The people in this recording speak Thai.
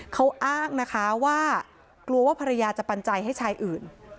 เขาอ้างนะคะว่ากลัวว่าภรรยาจะปันใจให้ชายอื่น